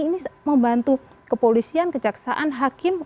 ini membantu kepolisian kejaksaan hakim